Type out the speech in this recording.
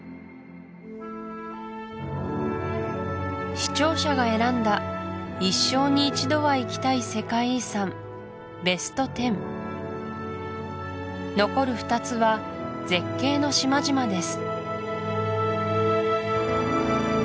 視聴者が選んだ一生に一度は行きたい世界遺産ベスト１０残る２つは絶景の島々です